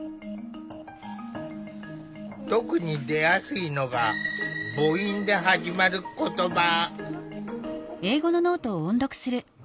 特に出やすいのが母音で始まる言葉。